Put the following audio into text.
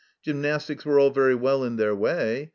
Gymnastics were all very well in their 'way.